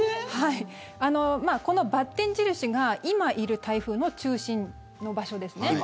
このばってん印が今いる台風の中心の場所ですね。